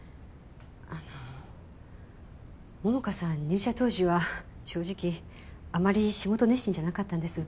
入社当時は正直あまり仕事熱心じゃなかったんです。